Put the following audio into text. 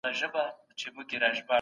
د جنګ قربانیانو ته پاملرنه کیده.